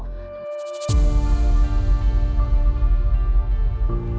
เกิดอะไรขึ้นกับน้องน้องน้อย